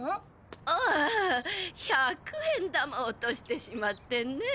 ああ百円玉を落としてしまってね。